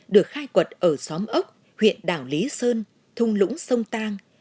được khai quật ở xóm ốc huyện đảo lý sơn thung lũng sông tang